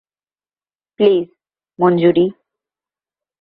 Please, Manjuri.